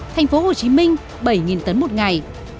thành phố hồ chí minh bảy tấn một ngày